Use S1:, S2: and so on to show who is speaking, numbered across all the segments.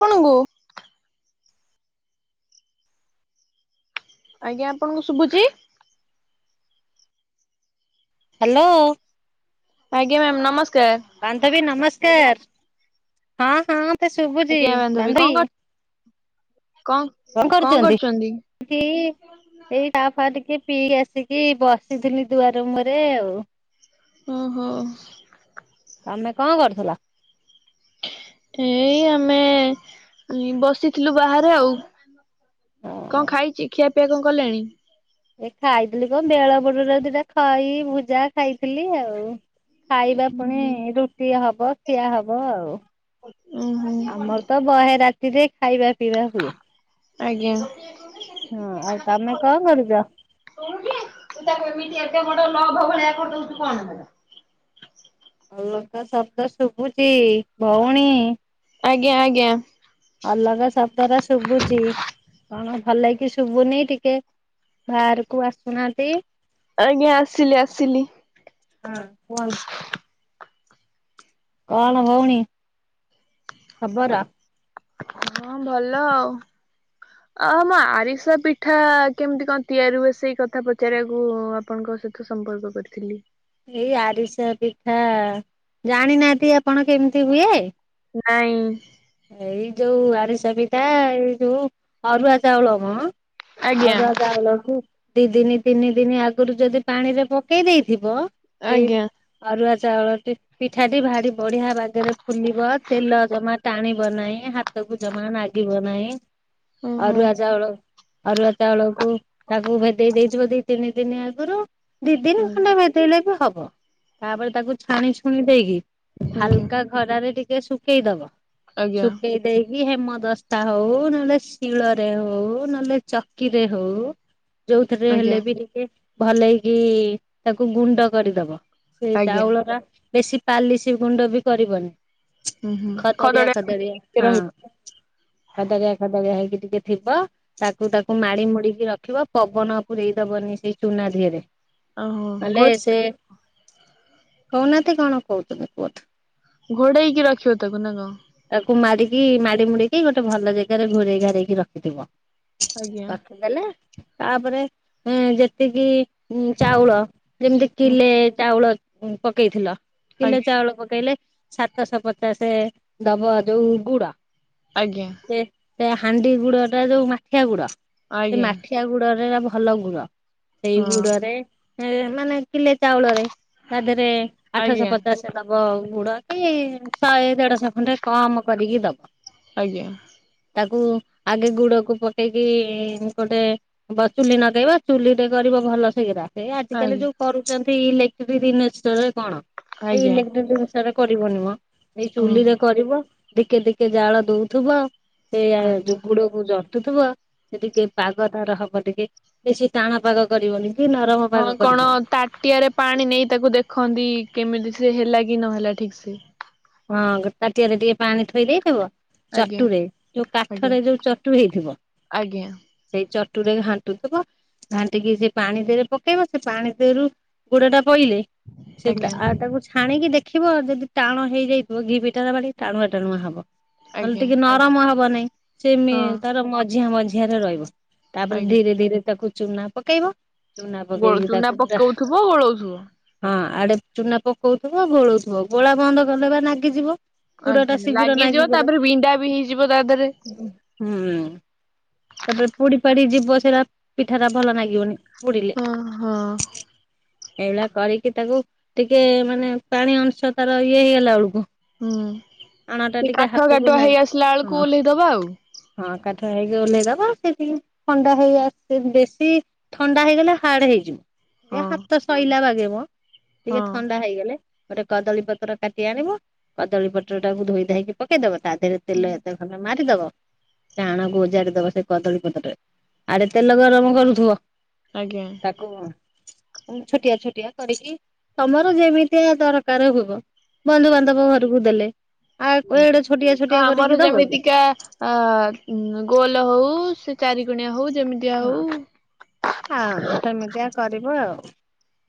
S1: ଆପଣ ଙ୍କୁ ଆଜ୍ଞା ଆପଣଙ୍କୁ ଶୁଭୁଛି?
S2: ହାଲୋ।
S1: ଆଜ୍ଞା ମ୍ୟାମ୍ ନମସ୍କାର
S2: ବାନ୍ଧବୀ ନମସ୍କାର ହଁ ହଁ ଶୁଭୁଛି
S1: ଆଜ୍ଞା କଣ
S2: ବାନ୍ଧବୀ
S1: କର କଣ
S2: କଣ କରୁଛନ୍ତି ତି? ଏଇ ଚା ଫା ଟିକେ ପିଇ ଆସିକି ବସିଥିଲି ଦୁଆର ମୁହଁରେ ଆଉ
S1: ଓ ହୋ
S2: ତମେ କଣ କରୁଥିଲ?
S1: ଏଇ ଆମେ ବସିଥିଲୁ ବାହାରେ ଆଉ।
S2: ହଁ
S1: କଣ ଖାଇଛି ଖିଆ ପିଆ କଣ କଲେଣି?
S2: ଏ ଖାଇଥିଲି କଣ ବେଳବୁଡିଲା ବେଳେ ଦିଇଟା ଖଇ ଭୁଜା ଖାଇଥିଲି ଆଉ। ଖାଇବା
S1: ଉୁଁ
S2: ପୁଣି
S1: ହୁଁ
S2: ରୁଟି ହବ ଖିଆ ହବ ଆଉ।
S1: ଆଜ୍ଞା।
S2: ଆମର ତ ବହେ ରାତିରେ ଖାଇବା ପିଇବା ହୁଏ।
S1: ଆଜ୍ଞା।
S2: ହଁ ଆଉ ତମେ କଣ କରୁଚ?
S1: ତୁ ତାକୁ ଏମିତି ଏତେ ବଡ଼ ଲଭ ଭଳିଆ ଖଟଉଛୁ କଣ ହେଲା।
S2: ଲୋକ ଶବ୍ଦ ଶୁଭୁଚି ଭୋଉଣୀ।
S1: ଆଜ୍ଞା ଆଜ୍ଞା।
S2: ଅଲଗା ଶବ୍ଦରା ଶୁଭୁଚି କଣ ଭଲକି ଶୁଭୁନି ଟିକେ ବାହାରକୁ ଆସୁନାହାନ୍ତି।
S1: ଆଜ୍ଞା ଆସିଲି ଆସିଲି।
S2: ହଁ କୁହନ୍ତୁ। କଣ ଭୋଉଣୀ ଖବର?
S1: ହଁ ଭଲ ଆଉ। ଅଉ ଆମ ଆରିସା ପିଠା କେମତି କଣ ତିଆରି ହୁଏ ସେଇ କଥା ପଚାରିବାକୁ ଆ ଆପଣଙ୍କ ସହିତ ସମ୍ପର୍କ କରିଥିଲି।
S2: ଏଇ ଆରିସା ପିଠା ଜାଣିନାହାନ୍ତି ଆପଣ କେମିତି ହୁଏ।
S1: ନାଇଁ।
S2: ଏଇ ଯୋଉ ଆରିସା ପିଠା ଏଇ ଯୋଉ ଅରୁଆ ଚାଉଳ କଁ
S1: ଆଜ୍ଞା
S2: ଅରୁଆ ଚାଉଳକୁ ଦିଇ ଦିନି ତିନି ଦିନି ଆଗରୁ ଯଦି ପାଣିରେ ପକେଇ ଦେଇଥିବ ସେଇ
S1: ଆଜ୍ଞା
S2: ଅରୁଆ ଚାଉଳଟି ପିଠାଟି ଭାରି ବଢିଆ ବାଗରେ ଫୁଲିବ ତେଲ ଜମା ବନାଇ ହାତକୁ ଜମା ନାଗିବ ନାଇଁ।
S1: ଓହୋ।
S2: ଅରୁଆ ଚାଉଳ ଅରୁଆ ଚାଉଳକୁ ତାକୁ ଭେଦେଇ ଦେଇଥିବ ଦି ତିନି ଦିନି ଆଗରୁ ଦିଇ ଦିନି ଖଣ୍ଡେ ଭେ ଦେଇଲେ ବି ହବ ତାପରେ ତାକୁ ଛାଣିଛୁଣି ଦେଇକି
S1: ଆଜ୍ଞା
S2: ହାଲକା ଖରାରେ ଟିକେ ଶୁକେଇ ଦବ
S1: ଆଜ୍ଞା
S2: ଶୁକେଇ ଦେଇକି ହେମଦସ୍ତା ହୋଉ ନହେଲେ ଶିଳରେ ହୋଉ ନହେଲେ ଚକିରେ ହୋଉ ଯୋଉଥିରେ
S1: ଆଜ୍ଞା
S2: ହେଲେ ବି ଟିକେ ଭଲେଇକି ତାକୁ ଗୁଣ୍ଡ କରିଦବ। ସେ
S1: ଆଜ୍ଞା
S2: ଚାଉଳଟା ବେଶୀ ପାଲିଶି ଗୁଣ୍ଡ ବି କରିବନି।
S1: ଉଁହୁଁ।
S2: ଖଦରିଆ ଖଦରିଆ ହଁ ଖଦଡିଆ ଖଦଡିଆ ହେଇକି ଟିକେ ଥିବ ତାକୁ ତାକୁ ମାଡି ମୁଡିକି ରଖିବ ପବନ ପୂରେଇ ଦବନି ସେଇ ଚୁନା ଧିଅରେ।
S1: ଓହୋ
S2: ତାହେଲେ
S1: ଘୋ
S2: ସେ କୋହୁନାହାନ୍ତି କଣ କୋହୁଚନ୍ତି କୁହନ୍ତୁ।
S1: ଘୋଡେଇକି ରଖିବ ତାକୁ ନା କଣ?
S2: ତାକୁ ମାଡିକି ମାଡି ମୁଡିକି ଗୋଟେ ଭଲ ଜେଗାରେ ଘୋଡେଇ ଘୋଡେଇକି ରଖିଥିବ।
S1: ଆଜ୍ଞା।
S2: ଦେଲା ତାପରେ ଏ ଯେତିକି ଚାଉଳ ଯେମତି କିଲେ ଚାଉଳ ଉଁ ପକେଇଥିଲ। କିଲେ
S1: ଆଜ୍ଞା
S2: ଚାଉଳ ପକେଇଲେ ସାତଶ ପଚାଶେ ଦବ ଯୋଉ ଗୁଡ।
S1: ଆଜ୍ଞା।
S2: ସେ ସେ ହାଣ୍ଡି ଗୁଡଟା ଯୋଉ ମାଠିଆ ଗୁଡ ସେ
S1: ଆଜ୍ଞା
S2: ମାଠିଆ ବୁଡରେ ଭଲ ଗୁଡ ସେଇ
S1: ହଁ
S2: ବୁଡରେ ଏ ମାନେ କିଲେ ଚାଉଳରେ ତା ଦେହରେ ଆଠଶ
S1: ଆଜ୍ଞା
S2: ପଚାଶ ଦବ ଗୁଡ କି ଶହେ ଦେଢଶ ଖଣ୍ଡେ କମ କରିକି ଦବ।
S1: ଆଜ୍ଞା।
S2: ତାକୁ ଆଗେ ଗୁଡକୁ ପକେଇକି ଗୋଟେ ବ ଚୁଲି ନଗେଇବ ଚୁଲିରେ କରିବ ଭଲ ସିଘିର। ଏଇ ଆଜିକାଲି
S1: ଆଜ୍ଞା
S2: ଯୋଉ କରୁଚନ୍ତି ଇଲେକ୍ଟ୍ରି ଜିନିଷରେ କଣ ଏଇ
S1: ଆଜ୍ଞା
S2: ଇଲେକ୍ଟ୍ରି ଜିନଷ୍ ରେ କରିବନି ମ ଏଇ
S1: ଓହୋ
S2: ଚୁଲିରେ କରିବ ଧିକେ ଧିକେ ଜାଳ ଦୋଉଥୁବ ସେୟା ହେ
S1: ଆଜ୍ଞା।
S2: ଯୋଉ ଗୁଡକୁ ଯ କଟୁଥିବ ସେ ଟିକେ ପାଗ ତାର ହବ ଟିକେ ବେଶି ଟାଣ ପାଗ କରିବନି। କି ନରମ ପାଗ
S1: ହଁ କଣ
S2: କରିବନି
S1: ତାଟିଆରେ ପାଣି ନେଇ ତାକୁ ଦେଖନ୍ତି କେମିତି ସେ ହେଲା କି ନହେଲା ଠିକ୍ ସେ।
S2: ହଁ ଗୋଟେ ତାଟିଏରେ ଟିକେ ପାଣି ଥୋଇ ଦେଇଥିବ
S1: ଆଜ୍ଞା
S2: ଚଟୁରେ ଯୋଉ
S1: ଆଜ୍ଞା
S2: କାଠରେ ଯୋଉ ଚଟୁ ହେଇଥିବ।
S1: ଆଜ୍ଞା
S2: ସେଇ ଚଟୁରେ ଘାଣ୍ଟୁଥିବ। ଘାଣ୍ଟିକି ସେ ପାଣି ଦେରେ ପକେଇବ ସେ ପାଣି ଦେହରୁ ଗୁଡ ଟା ପଇଲେ ସେ
S1: ଆଜ୍ଞା
S2: ଆତାକୁ ଛାଣିକି ଦେଖିବ ଯଦି ଟାଣ ହେଇ ଯେଇଥିବ ଘି ପିଠା ଆବା ଟାଣୁଆ ଟାଣୁଆ ହବ ନହେଲେ
S1: ଆଜ୍ଞା
S2: ଟିକେ ନରମ ହବ ନାଇଁ। ସେ ମେ
S1: ହଁ
S2: ତାର ମଝିଆ ମଝିଆ ରେ ରହିବ ତାପରେ
S1: ଆଜ୍ଞା
S2: ଧୀରେ ଧୀରେ ତାକୁ ଚୁନା ପକେଇବ ଚୁନା
S1: ଗୋ
S2: ପକେଇକି
S1: ଚୁନା
S2: ତାକୁ ପୁରା
S1: ପକଉଥିବ ଗୋଳଉଥିବ।
S2: ହଁ ଆଡେ ଚୁନା ପକଉଥିବ ଗୋଳଉଥବ ଗୋଳା ବନ୍ଦ କରିଦେଲେ ଲାଗିଯିବ।
S1: ଆ ଲାଗିଯିବ ତାପରେ ବିଣ୍ଡା ବି ହେଇଯିବ ତା ଦେହରେ।
S2: ହୁଁ ହୁଁ, ତାପରେ ପୋଡି ପାଡି ଯିବ ସେଇଟା ପିଠା ଟା ଭଲ ଲାଗିବନି। ପୁଡ଼ିଲେ
S1: ହଁ ହଁ
S2: ଏଇଭଳିଆ କରିକି ତାକୁ ଟିକେ ମାନେ ପାଣି ଅଂଶ ତାର ଇଏ ହେଇଗଲା ବେଳକୁ
S1: ହୁଁ,
S2: ଆଣ ଟା
S1: ଏ
S2: ଟିକେ
S1: କାଠୁଆ
S2: ହାତକୁ
S1: କାଠୁଆ
S2: ନା
S1: ହେଇ ଆସିଲା ବେଳକୁ
S2: ହଁ
S1: ଓହ୍ଲେଇଦବା ଆଉ।
S2: ହଁ କାଠୁଆ ହେଇକି ଓହ୍ଲେଇଦବା ସେ ଟିକେ ଥଣ୍ଡା ହେଇ ଆସ ବେଶୀ ଥଣ୍ଡା ହେଇଗଲେ ହାର୍ଡ ହେଇଯିବ। ଏ
S1: ହଁ
S2: ହାତ ସଇଲା ବାଗେ ମ ଟିକେ
S1: ହଁ।
S2: ଥଣ୍ଡା ହେଇଗଲେ। ଗୋଟେ କଦଳୀ ପତ୍ର କାଟି ଆଣିବ କଦଳୀ ପତ୍ର ଟାକୁ ଧୋଇ ଧାଇକି ପକେଇଦବ ତା ଦେହରେ ତେଲ ଏତେ ତମେ ମାରିଦବ। ଆଣକୁ ଓଜାରି ଦବ ସେଇ କଦଳୀ ପତ୍ରରେ, ଆଡେ ତେଲ ଗରମ କରୁଥିବ।
S1: ଆଜ୍ଞା।
S2: ତାକୁ ଛୋଟିଆ ଛୋଟିଆ କରିକି ତମର ଯେମିତିକା ଦରକାର ହୋବ ବନ୍ଧୁବାନ୍ଧବ ଘରକୁ ଦେଲେ। ଆଉ ଏଡେ ଛୋଟିଆ ଛୋଟିଆ କରିକି
S1: ଆମର
S2: ଦବ କି
S1: ଯେମିତିକା ଆ ଗୋଲ ହଉ ସେ ଚାରିକଣିଆ ହଉ ଯେମିତି ତିଆ
S2: ହଁ ହଁ
S1: ହେଉ
S2: ସେମିତିଆ କରିବ ଆଉ।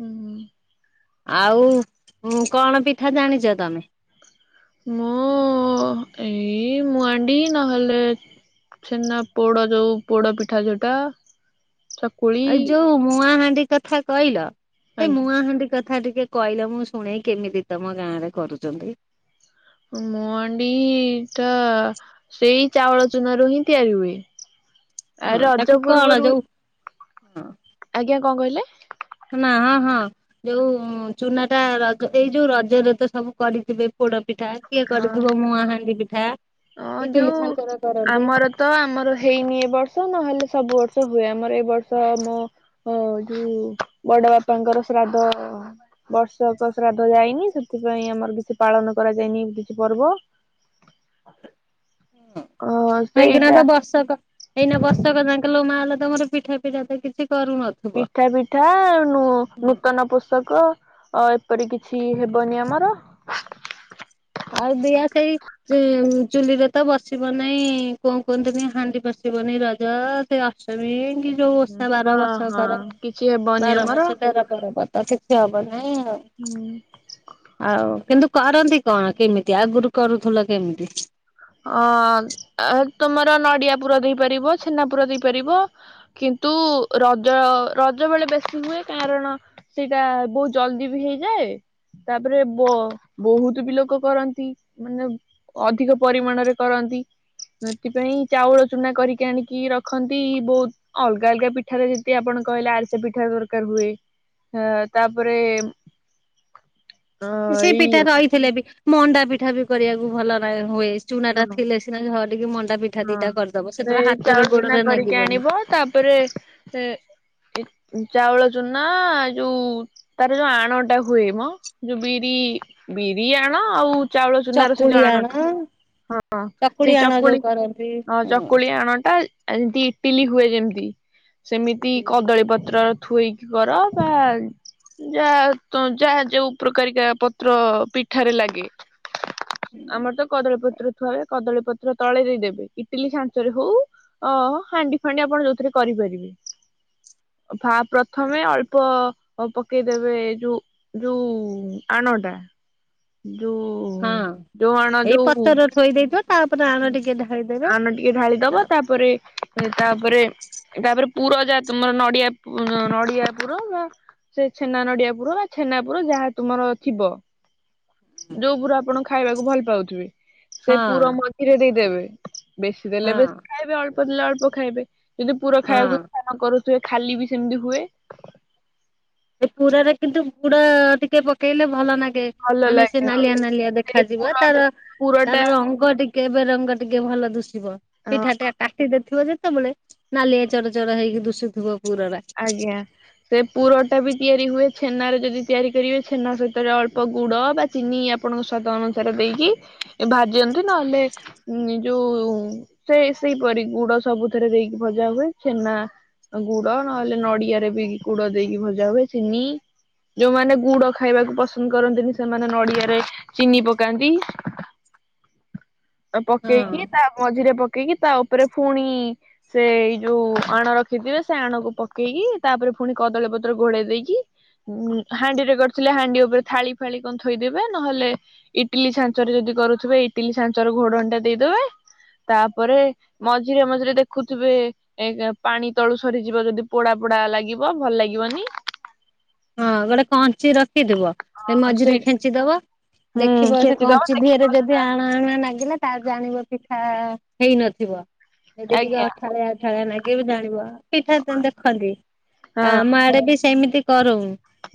S1: ହୁଁ ହୁଁ।
S2: ଆଉ କଣ ପିଠା ଜାଣିଛ ତମେ?
S1: ମୁଁ ଏଇ ମୁଆଣ୍ଡି ନହେଲେ ଛେନା ପୋଡ଼ ଯୋଉଁ ପୋଡ଼ ପିଠା ଯୋଉଁଟା
S2: ଆଉ ଯୋଉଁ ମୁଆଁହାଣ୍ଡି କଥା କହିଲ ସେ
S1: ଆଜ୍ଞା
S2: ମୁଆଁହାଣ୍ଡି ସେ କଥା ଟିକେ କହିଲ ମୁଁ ଶୁଣେଇ କେମିତି ତମ ଗାଁ ରେ କରୁଛନ୍ତି?
S1: ମୁଆଁଣ୍ଡି ଟା ସେଇ ଚାଉଳ ଚୁନାରୁ ହିଁ ତିଆରି ହୁଏ,
S2: ହଁ
S1: ଆଉ
S2: ତାକୁ
S1: ରଜ
S2: କଣ
S1: ପୂର୍ବରୁ
S2: ଯୋଉ
S1: ଆଜ୍ଞା କଣ କହିଲେ?
S2: ନା ହଁ ଯୋଉଁ ଚୁନା ଟା ରଜ ଏଇ ଯୋଉଁ ରଜରେ ତ ସବୁ କରିଥିବେ ପୋଡ଼ ପିଠା କିଏ କରିଥିବ ମୁଆଁହାଣ୍ଡି ପିଠା?
S1: ହଁ
S2: ଇଟିଲି
S1: ଯୋଉଁ
S2: ଛାଞ୍ଚରେ କରନ୍ତି
S1: ଆମର ତ ଆମର ହେଇନି ଏ ବର୍ଷ ନହେଲେ ସବୁ ବର୍ଷ ହୁଏ ଆମର ଏ ବର୍ଷ ମୋ ହଁ ଯୋଉଁ ବଡ଼ ବାପାଙ୍କର ଶ୍ରାଦ୍ଧ ବର୍ଷକ ଶ୍ରାଦ୍ଧ ଯାଇନି ସେଥିପାଇଁ ଆମର କିଛି ପାଳନ କରାଯାଇନି କିଛି ପର୍ବ ଅ
S2: ହେଇକିନା
S1: ସେଇଟା
S2: ତ ବର୍ଷକ ଏଇନା ବର୍ଷକ ଯାଙ୍କେଲୋ ମାଲୋ ତମର ପିଠା ଫିଠା ତ କିଛି କରୁନ
S1: ପିଠା ଫିଠା, ନୂତନ ପୋଷକ ତ ଏପରି କିଛି ହେବନି ଆମର।
S2: ଆଉ ଦିଅ ସେଇ। ଚି ଚୁଲିରେ ତ ବସିବ ନେଇ କଁ କୁହନ୍ତିନି ହାଣ୍ଡି ବସିବନି ରଜ। କି ଅଷ୍ଟମି କି। ଯୋଉ ଓଷା ବାର
S1: ହଁ
S2: ବର୍ଷ
S1: ହଁ
S2: କର
S1: କିଛି ହେବନି
S2: ବାର
S1: ଆମର।
S2: ବର୍ଷ ତେର ପର୍ବ ତ କିଛି ହବ ନି।
S1: ହୁଁ।
S2: ଆଉ କିନ୍ତୁ କରନ୍ତି କଁ କିମିତି ଆଗରୁ କରୁଥିଲ କେମିତି।
S1: ହଁ ଏତ୍ ତମର ନଡିଆ ପୁର ଦେଇପାରିବ ଛେନା ପୁର ଦେଇପାରିବ। କିନ୍ତୁ ରଜ ରଜ ବେଳେ ବେଶୀ ହୁଏ କାରଣ। ସେଇଟା ବହୁତ ଜଲଦି ବି ହେଇଯାଏ। ତାପରେ ବ ବହୁତ ବି ଲୋକ କରନ୍ତି ମାନେ ଅଧିକ। ପରିମାଣ ରେ କରନ୍ତି ସେଥିପାଇଁ ଚାଉଳ ଚୁନା କରିକି ଆଣିକି ରଖନ୍ତି ବହୁତ। ଅଲଗା ଅଲଗା ପିଠାରେ ଯେତି ଆପଣ କହିଲେ ଆରିସା ପିଠା ରେ ଦରକାର ହୁଏ। ହେ ତାପରେ। ଅ
S2: ସେ
S1: ଏଇ
S2: ପିଠା ରହିଥିଲେ ବି ମଣ୍ଡା ପିଠା ବି କରିବାକୁ ଭଲ ନା ହୁଏ ଚୁନା ଟା
S1: ହଁ
S2: ଥିଲେ ସି ନା ଝଅଟି କି ମଣ୍ଡା ପିଠା।
S1: ହଁ
S2: ଦିଟା କରିଦବ ସେଥର
S1: ସେଇ
S2: ହାତରେ
S1: ଚାଉଳ ଚୁନା
S2: ଗୋଡରେ
S1: କରିକି
S2: ନାଗିବନି।
S1: ଆଣିବ ତାପରେ ସେ। ଏ ଚାଉଳ ଚୁନା ଯୋଉ। ତାର ଯୋଉ ଆଣଟା ହୁଏ ମ ଯୋଉ ବିରି ବିରି ଆଣ ଆଉ। ଚାଉଳ ଚୁନାର ସେ
S2: ଚକୁଳି
S1: ଯୋଉ
S2: ଆଣ
S1: ଆଣଟା ହଁ ସେଇ
S2: ଆଣ ଯୋଉ
S1: ଚକୁଳି।
S2: କରନ୍ତି।
S1: ହଁ ଚକୁଳି ଆଣ ଟା ଏମତି ଇଟିଲି ହୁଏ ଯେମିତି ସେମିତି କଦଳୀ ପତ୍ର। ଥୋଇକି କର ବା। ଯାହା ତ ଯାହା ଯୋଉ ପ୍ରକାରି କା ପତ୍ର ପିଠାରେ ଲାଗେ। ଆମର ତ କଦଳୀପତ୍ର ଥୁଆ ହୁଏ କଦଳୀ ପତ୍ର ତଳେ ଦେଇଦେବେ। ଇଟିଲି ଛାଞ୍ଚରେ ହଉ ଅ ହାଣ୍ଡି ଫାଣ୍ଡି ଆପଣ ଯୋଉଥିରେ କରିପାରିବେ। ଫା ପ୍ରଥମେ ଅଳ୍ପ। ଅ ପକେଇ ଦେବେ ଯୋଉ ଯୋଉ ଆଣ ଟା। ଯୋଉ
S2: ହଁ
S1: ଯୋଉ ଆଣ
S2: ଏଇ
S1: ଯୋଉ।
S2: ପତର ଥୋଇ ଦେଇଥିବ ତାପରେ ଆ
S1: ଆଣ ଟିକେ ଢାଳି ଦବ ତାପରେ ତାପରେ ତାପରେ। ପୁର ଯାହା ତୁମର ନଡିଆ ପୁ ନଡିଆ ପୁର ବା। ସେ ଛେନା ନଡିଆ ପୁର ବା ଛେନା ପୁର ଯାହା ତୁମର ଥିବ। ଯୋଉ ପୁର ଆପଣ ଖାଇବାକୁ ଭଲ ପାଉଥିବେ ସେ
S2: ହଁ
S1: ପୁର ମଝିରେ ଦେଇଦେବେ। ବେଶୀ
S2: ହଁ
S1: ଦେଲେ ବେଶୀ ଖାଇବେ ଅଳ୍ପ ଦେଲେ ଅଳ୍ପ ଖାଇବେ ଯଦି ପୁର
S2: ହଁ
S1: ଖାଇବାକୁ। ନ କରୁଥିବେ ଖାଲି ବି ସେମିତି ହୁଏ।
S2: ଏ ପୁରରେ କିନ୍ତୁ ଗୁଡ ଟିକେ ପକେଇଲେ ଭଲ ନାଗେ।
S1: ଭଲ
S2: ମାନେ ସେ
S1: ଲାଗେ ହଁ
S2: ନାଲିଆ ନାଲିଆ
S1: ସେ
S2: ଦେଖାଯିବ ତାର
S1: ପୁରଟା ପୁରଟା
S2: ତାର ରଙ୍ଗ ଟିକ୍ କେ ବେରଙ୍ଗ ଟିକେ ଭଲ ଦୁଷିବ ପିଠା ଟା କାଟିଦଉ ଥିବ ଯେତେବେଳେ। ନାଲିଆ ଚଡ ଚଡ ହେଇକି ଦୁଷୁଥିବ ପୁର ରା।
S1: ଆଜ୍ଞା। ସେ ପୁର ଟା ବି ତିଆରି ହୁଏ ଛେନା ରେ ଯଦି ତିଆରି କରିବେ ଛେନା ସହିତରେ ଅଳ୍ପ ଗୁଡ ବା। ଚିନି ଆପଣଙ୍କ ସ୍ଵାଦ ଅନୁସାରେ ଦେଇକି ଭାଜନ୍ତି ନହେଲେ। ନି ଯୋଉ। ସେ ସେଇପରି ଗୁଡ ସବୁଥିରେ ଦେଇକି ଭଜା ହୁଏ ଛେନା ଗୁଡ। ଡ ନହେଲେ ନଡିଆରେ ବି ଗୁଡ ଦେଇକି ଭଜା ହୁଏ ଚିନି। ଯୋଉମାନେ ଗୁଡ ଖାଇବାକୁ ପସନ୍ଦ କରନ୍ତିନି ସେମାନେ ନଡିଆରେ ଚିନି ପକାନ୍ତି। ତାକୁ
S2: ହଁ
S1: ପକେଇକି ତା। ମଝିରେ ପକେଇକି ତା ଉପରେ ପୁଣି ସେ ଏଇ ଯୋଉ ଆଣ ରଖିଥିବେ। ସେ ଆଣକୁ ପକେଇକି ତାପରେ ପୁଣି କଦଳୀ ପତ୍ର ଘୋଡେଇ ଦେଇକି। ହୁଁ ହାଣ୍ଡିରେ କରିଥିଲେ ହାଣ୍ଡି ଉପରେ ଥାଳି ଫାଳି କଣ ଥୋଇଦେବେ ନହେଲେ ଇଟିଲି ଛାଞ୍ଚରେ ଯଦି କରୁଥିବେ ଇଟିଲି ଛାଞ୍ଚରେ ଘୋଡଣିଟା ଦେଇଦେବେ। ତାପରେ ମଝିରେ ମଝିରେ ଦେଖୁଥିବେ ପାଣି ତଳୁ ସୁ ସରିଯିବ ଯଦି ପୋଡା ପୋଡା ଲାଗିବ ଭଲ ଲାଗିବନି।
S2: ହଁ ଗୋଟେ କଞ୍ଚି ରଖିଥିବ। ସେ ମଝିରେ
S1: ସେଇ
S2: ଖେଞ୍ଚିଦବ
S1: ହୁଁ
S2: ଦେଖିବ ସେ
S1: ଖେଚିଦବ
S2: କଞ୍ଚି ଦିହରେ
S1: ଦେଖିବ
S2: ଯଦି
S1: ସେଟା
S2: ଆଣ ଆଣ ଲାଗିଲେ ତା ଜାଣିବ ପିଠା ହେଇନଥିବ ଯଦି ଟିକେ
S1: ଆଜ୍ଞା
S2: ଅଠାଲିଆ ପିଠା ନାଗିବ ଜାଣିବ ପିଠା ତ ଦେଖନ୍ତି
S1: ହଁ
S2: ଆମ ଆଡେ ବି ସେମିତି କରୁ।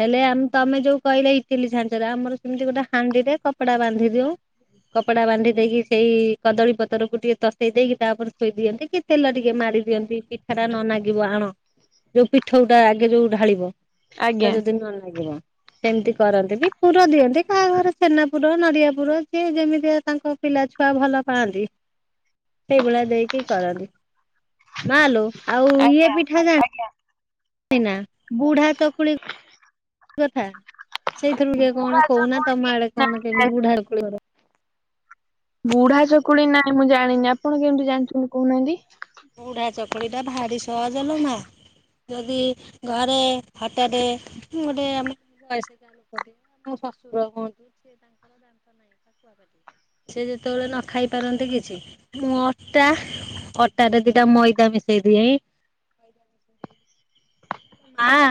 S2: ହେଲେ ଆ ତମେ ଯୋଉ କହିଲେ ଇଟିଲି ଛାଞ୍ଚରେ ଆମର ସେମିତି ଗୋଟେ ହାଣ୍ଡିରେ କପଡା ବାନ୍ଧି ଦଉ କପଡା ବାନ୍ଧି ଦେଇକି ସେଇ କଦଳୀ ପତରକୁ ଟିକେ ତତେଇ ଦେଇକି ତା ଉପରେ ଥୋଇ ଦିଅନ୍ତି କି ତେଲ ଟିକେ ମାରି ଦିଅନ୍ତି ପିଠାଟା ନ ନାଗିବ ଆଣ ଯୋଉ ପିଠଉଟା ଆଗେ ଯୋଉ ଢାଳିବ ପିଠା
S1: ଆଜ୍ଞା
S2: ଯଦି ନଲାଗିବ। ସେମିତି କରନ୍ତି ବି ପୁର ଦିଅନ୍ତି କାହା ଘରେ ଛେନା ପୁର ନଡିଆ ପୁର ସିଏ ଯେମିତିଆ ତାଙ୍କ ପିଲାଛୁଆ ଭଲ ପାଆନ୍ତି। ସେଇଭଳିଆ ଦେଇକି କରନ୍ତି ମାଲୋ ଆଉ ଇଏ
S1: ଆଜ୍ଞା
S2: ପିଠା ଜାଣି
S1: ଆଜ୍ଞା
S2: ନା ବୁଢା ଚକୁଳି ଏମିତି କଥା ସେଇଥିରୁ ଟିକେ
S1: ବୁଢା
S2: କଣ କହୁନା ତମ
S1: ଚକୁଳି
S2: ଆଡେ କଣ
S1: ନାଇଁ
S2: କେମିତି ବୁଢା ଚକୁଳି କଥା?
S1: ବୁଢା ଚକୁଳି ନାଇଁ ମୁଁ ଜାଣିନି ଆପଣ କେମିତି ଜାଣିଛନ୍ତି କହୁନାହାନ୍ତି?
S2: ବୁଢା ଚକୁଳିଟା ଭାରି ସହଜ ଲୋ ମା। ଯଦି ଘରେ ହଠାତ୍ ଗୋଟେ ଆମର ବୟସା ମୋ ଶଶୁର ହୁଅନ୍ତୁ ସିଏ ତାଙ୍କର ଦାନ୍ତ ନାହିଁ। ସିଏ ଯେତେବେଳେ ନ ଖାଇ ପାରନ୍ତି କିଛି ମୁଁ ଅଟା ଅଟାରେ ଦିଟା ମଇଦା ମିଶେଇ ଦିଏଁ। ଖାଇଲା ମା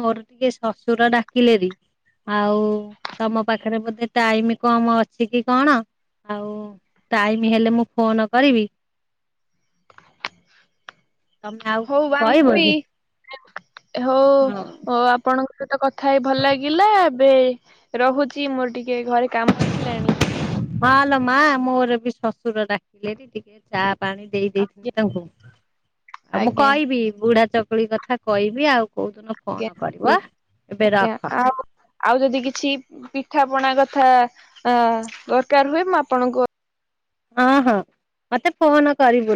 S2: ମୋର ଟିକେ ଶଶୁର ଡାକିଲେ ହେରି ଆଉ ତମ ପାଖରେ ବୋଧେ ଟାଇମ୍ କମ ଅଛି କି କଣ ଆଉ ଟାଇମି ହେଲେ ମୁଁ ଫୋନ କରିବି। ତମେ ଆଉ
S1: ହଉ
S2: କଣ କହିବ
S1: [inaudible] ବି
S2: କି?
S1: ହଉ
S2: ହଁ।
S1: ଆ ଆପଣଙ୍କ ସହିତ କଥା ହେଇ ଭଲ ଲାଗିଲା ଏବେ ରହୁଛି ମୋର ଟିକେ ଘରେ କାମ ଆସିଲାଣି।
S2: ହଁ ଲୋ ମା ମୋର ବି ଶ୍ୱଶୁର ଡାକିଲେ ହେରି ଟିକେ ଚା ପାଣି ଦେଇ ଦେଇଥିଲି
S1: ଆଜ୍ଞା
S2: ତାଙ୍କୁ ଆଉ ମୁଁ
S1: ଆଜ୍ଞା
S2: କହିବି ବୁଢା ଚକୁଳି କଥା କହିବି ଆଉ କୋଉଦିନ ଫୋନ
S1: ଆଜ୍ଞା
S2: କରିବ ଏବେ
S1: ଆଜ୍ଞା
S2: ରଖ
S1: ଆମ ଆଉ ଯଦି କିଛି ପିଠାପଣା କଥା ଅ ଦରକାର ହୁଏ ମୁଁ ଆପଣଙ୍କୁ
S2: ହଁ ହଁ ମତେ ଫୋନ କରିବୁ।